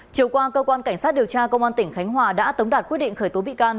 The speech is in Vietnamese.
chiều qua cơ quan cảnh sát điều tra công an tỉnh khánh hòa đã tống đạt quyết định khởi tố bị can